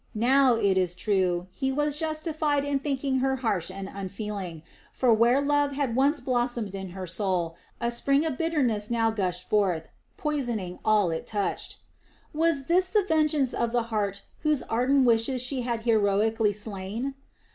Now, it is true, he was justified in thinking her harsh and unfeeling, for where love had once blossomed in her soul, a spring of bitterness now gushed forth poisoning all it touched. Was this the vengeance of the heart whose ardent wishes she had heroically slain?